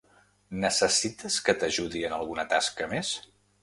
Necessites que t'ajudi en alguna tasca més?